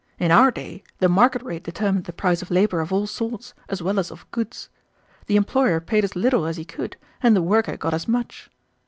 In our day the market rate determined the price of labor of all sorts, as well as of goods. The employer paid as little as he could, and the worker got as much.